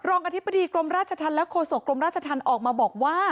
รองกฏภิปริกรมราชฎรณและโคสกรมราชฎรณออกมาบอกว่า